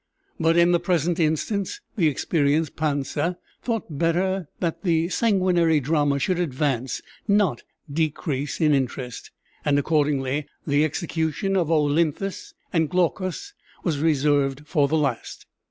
But in the present instance the experienced Pansa thought better that the sanguinary drama should advance, not decrease, in interest; and accordingly the execution of Olinthus and Glaucus was reserved for the last.